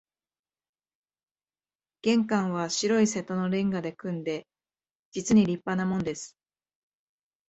玄関は白い瀬戸の煉瓦で組んで、実に立派なもんです